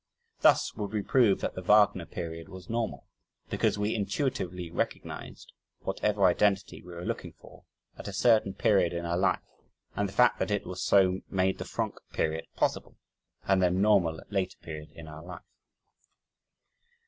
Thus would we prove that the Wagner period was normal, because we intuitively recognized whatever identity we were looking for at a certain period in our life, and the fact that it was so made the Franck period possible and then normal at a later period in our life.